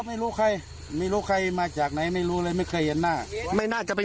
ผมว่าแตนต่อแน่นอน